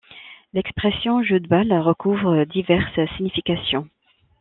L'expression jeu de balle recouvre diverses significations.